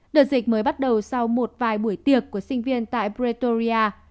đợt dịch mới bắt đầu sau một vài buổi tiệc của sinh viên tại pretoria